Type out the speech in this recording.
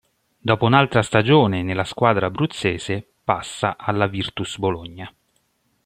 Dopo un'altra stagione nella squadra abruzzese, passa alla Virtus Bologna.